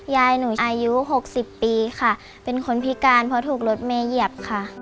ยายหนูอายุ๖๐ปีค่ะเป็นคนพิการเพราะถูกรถเมย์เหยียบค่ะ